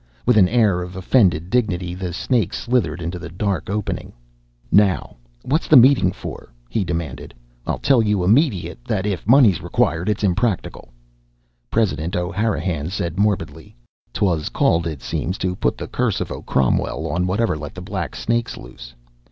With an air of offended dignity, the snake slithered into the dark opening. "Now what's the meeting for?" he demanded. "I'll tell you immediate that if money's required it's impractical." President O'Hanrahan said morbidly: "'Twas called, it seems, to put the curse o' Cromwell on whoever let the black snakes loose.